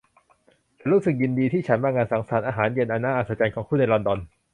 ฉันรู้สึกยินดีที่ฉันมางานสังสรรค์อาหารเย็นอันน่าอัศจรรย์ของคุณในลอนดอน